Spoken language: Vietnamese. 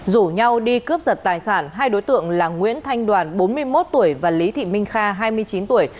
rủ nhau đi cướp giật tài sản hai đối tượng là nguyễn thanh đoàn bốn mươi một tuổi và lý thị minh kha hai mươi chín tuổi